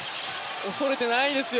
恐れていないですよ